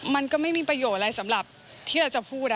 มันก็ไม่มีประโยชน์อะไรสำหรับที่เราจะพูด